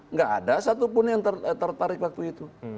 nggak ada satupun yang tertarik waktu itu